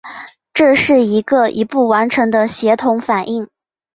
这是一个一步完成的协同反应。